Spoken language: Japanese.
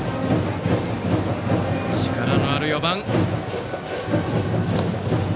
力のある４番。